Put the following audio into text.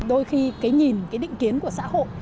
đôi khi cái nhìn cái định kiến của xã hội